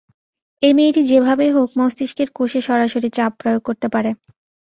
এই মেয়েটি যেভাবেই হোক, মস্তিষ্কের কোষে সরাসরি চাপ প্রয়োগ করতে পারে।